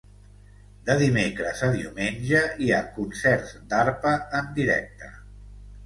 De dimecres a diumenge hi ha concerts d'arpa en directe.